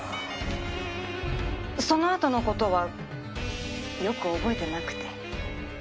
「そのあとの事はよく覚えてなくて」